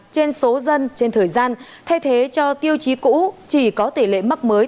trên số dân trên thời gian thay thế cho tiêu chí cũ chỉ có tỷ lệ mắc mới